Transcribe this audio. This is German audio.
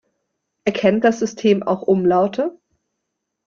Erkennt das System auch Umlaute?